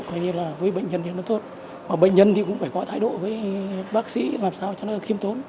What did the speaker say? vậy là với bệnh nhân thì nó tốt mà bệnh nhân thì cũng phải có thái độ với bác sĩ làm sao cho nó khiêm tốn